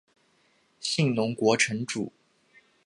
信浓国城主。